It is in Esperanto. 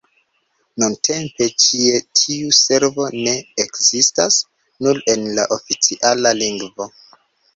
Nuntempe ĉie tiu servo ne ekzistas, nur en la oficiala lingvo.